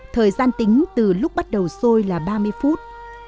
thời gian tính từ lúc bắt đầu sôi là ba mươi phút